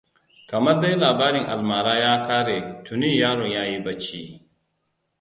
Kamar dai labarin almara ya ƙare, tuni yaron ya yi barci.